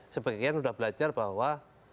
sebagian sudah belajar bahwa